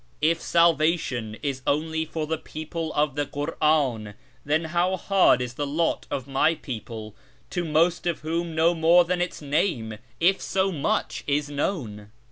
If salvation is only for the people of the KurMn, then how hard is the lot of my people, to most of whom no more than its name, if so much, is known